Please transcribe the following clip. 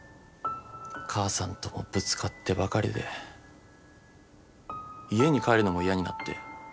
母さんともぶつかってばかりで家に帰るのも嫌になって。